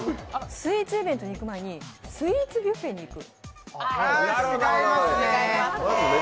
スイーツイベントに行く前にスイーツビュッフェに行く？